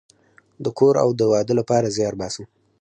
د کور او د واده لپاره زیار باسم